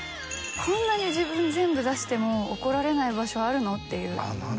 こんなに自分全部出しても怒られない場所あるの？っていう。